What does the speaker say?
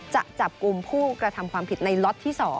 จะจับกลุ่มผู้กระทำความผิดในล็อตที่๒